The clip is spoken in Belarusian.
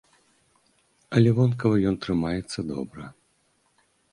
Але вонкава ён трымаецца добра.